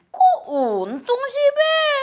kok untung sih be